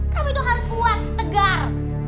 kamu itu harus kuat tegar